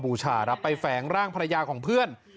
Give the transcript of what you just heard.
บูชาครับไปแฝงร่างภรรยาของเพื่อน